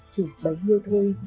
chỉ bấy nhiêu thôi